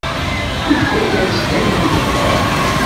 Yefka-as-d ayen tebɣa.